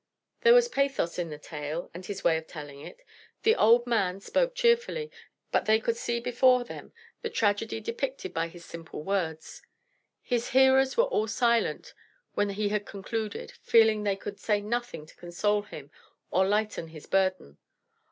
There was pathos in the tale and his way of telling it. The old man spoke cheerfully, but they could see before them the tragedy depicted by his simple words. His hearers were all silent when he had concluded, feeling they could say nothing to console him or lighten his burden.